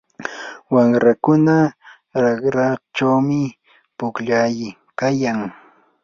wamrakuna raqrachawmi pukllaykayan.